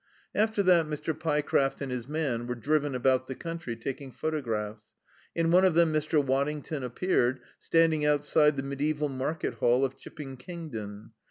After that Mr. Pyecraft and his man were driven about the country taking photographs. In one of them Mr. Waddington appeared standing outside the mediaeval Market Hall of Chipping Kingdon.